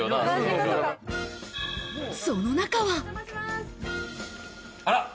その中は。